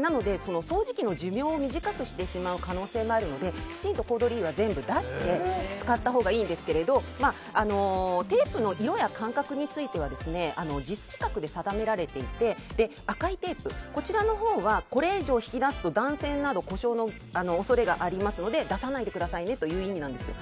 なので掃除機の寿命を短くしてしまう可能性もあるのできちんとコードリールは全部出して使ったほうがいいんですけどテープの色や間隔についてはＪＩＳ規格で定められていて赤いテープのほうはこれ以上引き出すと断線など故障の恐れがありますので出さないでくださいねという意味なんですよ。